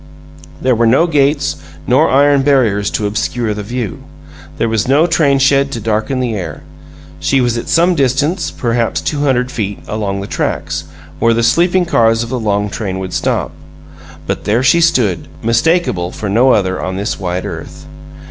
There were no gates nor iron barriers to obscure the view; there was no train shed to darken the air. She was at some distance, perhaps two hundred feet, along the tracks, where the sleeping cars of the long train would stop. But there she stood, mistakable for no other on this wide earth!